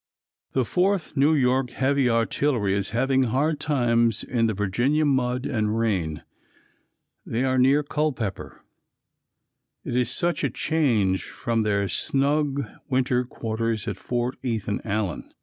_ The 4th New York Heavy Artillery is having hard times in the Virginia mud and rain. They are near Culpeper. It is such a change from their snug winter quarters at Fort Ethan Allen.